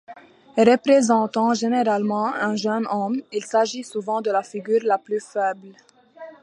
Représentant généralement un jeune homme, il s'agit souvent de la figure la plus faible.